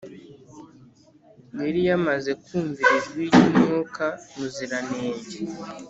yari yamaze kumvira ijwi rya mwuka muziranenge